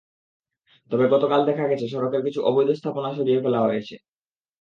তবে গতকাল দেখা গেছে, সড়কের কিছু অবৈধ স্থাপনা সরিয়ে ফেলা হয়েছে।